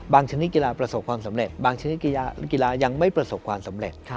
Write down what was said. ชนิดกีฬาประสบความสำเร็จบางชนิดกีฬายังไม่ประสบความสำเร็จ